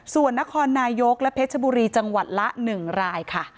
ส่วนนครนายกและเพชรบุรีจังหวัดละ๑รายค่ะ